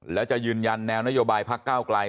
แล้วจะยืนยันแนวนโยบายพักก้าวไกล